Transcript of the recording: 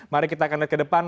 mari kita akan lihat ke depan